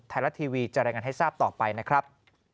ไทยรัฐทีวีจะรายงานให้ทราบต่อไปนะครับ